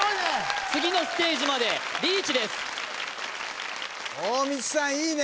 次のステージまでリーチです